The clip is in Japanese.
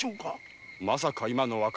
まさか今の若侍！？